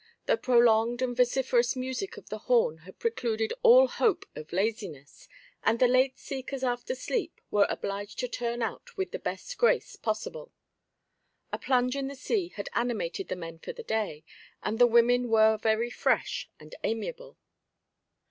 The prolonged and vociferous music of the horn had precluded all hope of laziness, and the late seekers after sleep were obliged to turn out with the best grace possible. A plunge in the sea had animated the men for the day, and the women were very fresh and amiable.